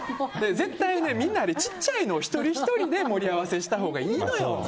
絶対、みんな小っちゃいのを一人ひとりで盛り合わせしたほうがいいのよ。